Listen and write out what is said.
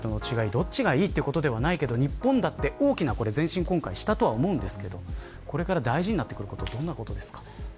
どっちがいいということではないけれど、日本だって今回大きな前進をしたと思うけどこれから大事になっていくのはどういうことですか。